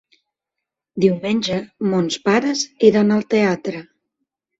Diumenge mons pares iran al teatre.